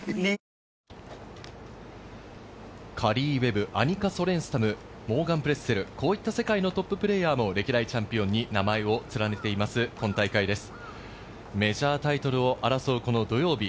カリー・ウェブ、アニカ・ソレンスタム、モーガン・プレッセル、こういった世界のトッププレーヤーも歴代チャンピオンに名前を連ねています、今大会です。